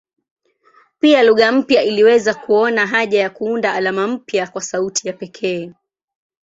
Pia lugha mpya iliweza kuona haja ya kuunda alama mpya kwa sauti ya pekee.